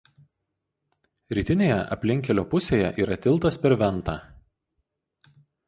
Rytinėje aplinkkelio pusėje yra tiltas per Ventą.